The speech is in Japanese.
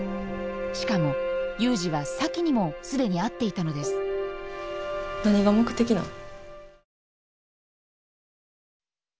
しかも祐二は咲妃にも既に会っていたのです何が目的なん？